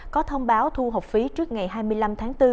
có thông báo thu học phí trước ngày hai mươi năm tháng bốn